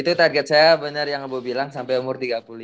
itu target saya bener yang bu bilang sampai umur tiga puluh lima